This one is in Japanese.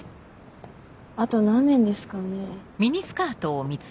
あと何年ですかね。